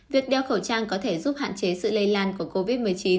việc đeo khẩu trang có thể giúp hạn chế sự lây lan của covid một mươi chín